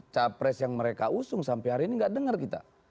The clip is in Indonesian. capres yang mereka usung sampai hari ini nggak dengar kita